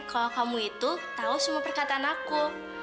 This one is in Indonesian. kalau kamu itu tahu semua perkataan aku